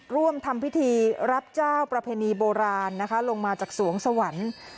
ร่วมทำพิธีรับเจ้าประเพณีโบราณนะคะลงมาจากสวงสวรรค์